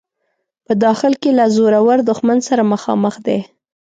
په داخل کې له زورور دښمن سره مخامخ دی.